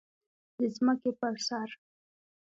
د ځمکې پر سر